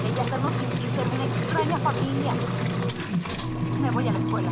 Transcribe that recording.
Insertando la solución del primer subsistema en el segundo resultan las reacciones.